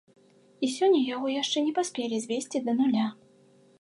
І сёння яго яшчэ не паспелі звесці да нуля.